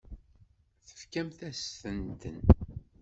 Tefkamt-asent-ten.